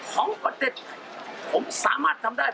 ของประเด็นผมสามารถทำได้